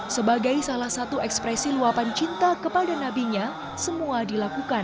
sebagai salah satu ekspresi luapan cinta kepada nabinya semua dilakukan